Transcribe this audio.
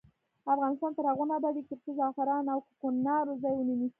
افغانستان تر هغو نه ابادیږي، ترڅو زعفران د کوکنارو ځای ونه نیسي.